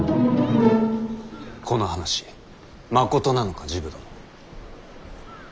この話まことなのか治部殿。